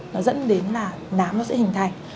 nó dẫn đến là nám nó sẽ hình thành